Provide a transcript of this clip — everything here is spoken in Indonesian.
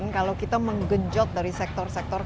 kalau kita menggenjot dari sektor sektor